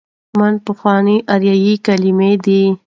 من: پخوانۍ آریايي کليمه ده.